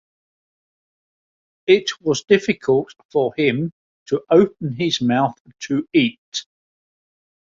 It was difficult for him to open his mouth to eat.